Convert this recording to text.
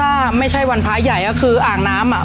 ถ้าไม่ใช่วันพระใหญ่ก็คืออ่างน้ำอ่ะ